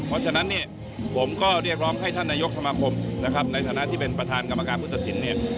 เพราะฉะนั้นผมก็เรียกร้องให้ท่านนายกสมาคมในฐานะที่เป็นประธานกรรมการผู้ตัดสิน